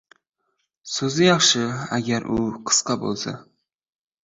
• So‘z yaxshi, agar u qisqa bo‘lsa.